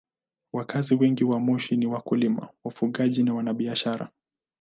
Wakazi wengi wa Moshi ni wakulima, wafugaji na wafanyabiashara.